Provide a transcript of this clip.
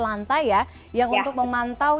lantai ya yang untuk memantau